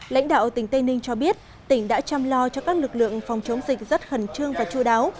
lãnh đạo tỉnh tây ninh cho biết tỉnh đã chăm lo cho các lực lượng phòng chống dịch rất khẩn trương và chú đáo